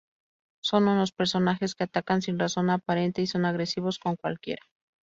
Son unos personajes que atacan sin razón aparente y son agresivos con cualquiera.